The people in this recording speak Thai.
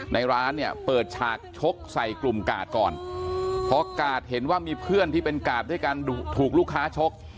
ในร้านเนี่ยเปิดฉากชกใส่กลุ่มกาดก่อนพอกาดเห็นว่ามีเพื่อนที่เป็นกาดด้วยกันถูกลูกค้าชก